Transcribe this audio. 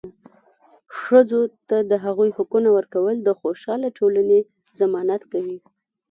ښځو ته د هغوي حقونه ورکول د خوشحاله ټولنې ضمانت کوي.